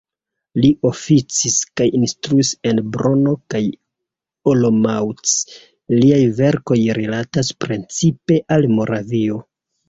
Li oficis kaj instruis en Brno kaj Olomouc, liaj verkoj rilatas precipe al Moravio.